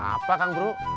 kenapa kang bro